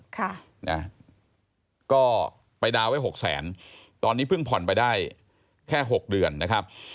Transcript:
ค่ะนะก็ไปดาวน์ไว้หกแสนตอนนี้เพิ่งผ่อนไปได้แค่หกเดือนนะครับ